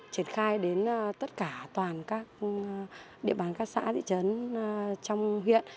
triển khai đến tất cả toàn các địa bàn các xã địa chấn trong huyện